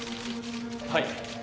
はい。